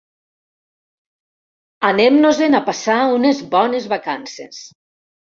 Anem-nos-en a passar unes bones vacances.